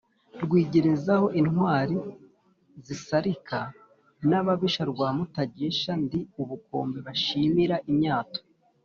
Rwigerezaho intwali zisarika n’ababisha rwa Mutagisha ndi ubukombe banshimira imyato